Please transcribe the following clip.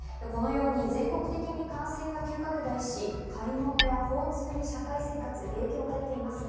このように全国的に感染が急拡大する中、買い物や交通など社会生活に影響が出ています。